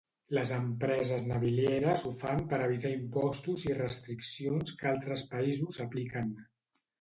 Les empreses navilieres ho fan per evitar impostos i restriccions que altres països apliquen.